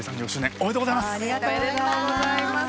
おめでとうございます。